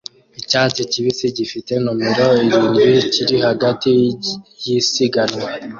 Icyatsi kibisi gifite numero irindwi kiri hagati yisiganwa